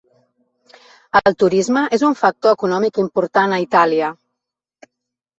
El turisme és un factor econòmic important a Itàlia.